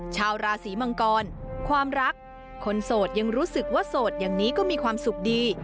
ชาวราศีมังกรความรักคนโสดยังรู้สึกว่าโสดอย่างนี้ก็มีความสุขดี